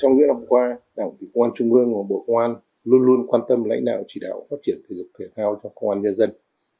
trong những năm qua đảng quỹ công an trung ương và bộ công an luôn luôn quan tâm lãnh đạo chỉ đạo phát triển thể dục thể thao cho công an nhân dân